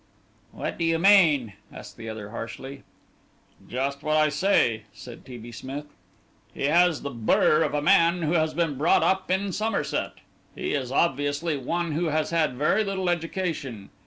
"What do you mean?" asked the other harshly. "Just what I say," said T. B. Smith; "he has the burr of a man who has been brought up in Somerset. He is obviously one who has had very little education.